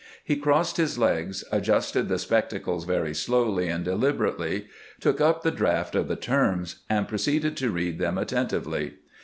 He crossed his legs, adjusted the spectacles very slowly and deliberately, took up the draft of the terms, and proceeded to read them attentively.